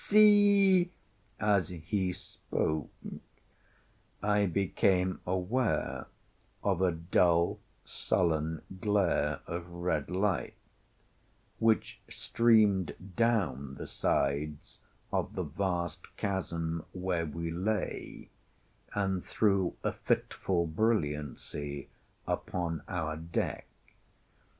see!" As he spoke, I became aware of a dull, sullen glare of red light which streamed down the sides of the vast chasm where we lay, and threw a fitful brilliancy upon our deck.